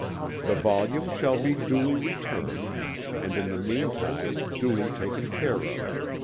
The volume shall be duly returned, and in the mean time duly taken care of.